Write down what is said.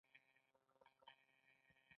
اقتصادي وده اوس ورو شوې خو لا هم پیاوړې ده.